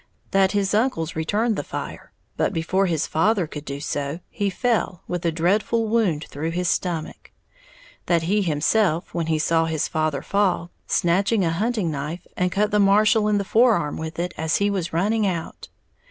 That his uncles returned the fire, but before his father could do so, he fell, with a dreadful wound through the stomach. That he himself, when he saw his father fall, snatched a hunting knife and cut the marshal in the forearm with it as he was running out.